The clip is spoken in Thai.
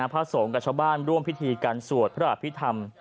พระสงฆ์กับชาวบ้านร่วมพิธีการสวดพระอภิษฐรรม